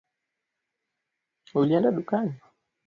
Ulienda dukani